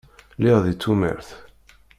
Lliɣ di tumert.